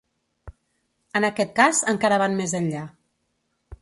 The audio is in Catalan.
En aquest cas encara van més enllà.